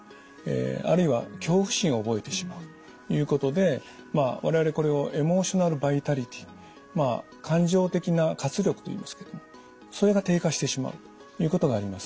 あるいは恐怖心を覚えてしまうということで我々これをエモーショナルバイタリティー感情的な活力といいますけどもそれが低下してしまうということがあります。